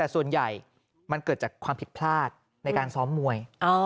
แต่ส่วนใหญ่มันเกิดจากความผิดพลาดในการซ้อมมวย